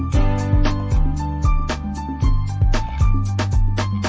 สวัสดีครับสวัสดีครับ